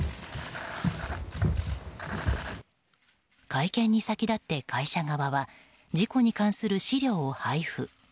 会見に先立って会社側は事故に関する資料を配布。